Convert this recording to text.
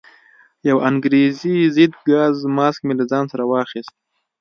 یو انګریزي ضد ګاز ماسک مې له ځان سره واخیست.